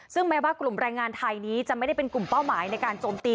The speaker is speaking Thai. ซึ่งแม้ว่ากลุ่มแรงงานไทยนี้จะไม่ได้เป็นกลุ่มเป้าหมายในการโจมตี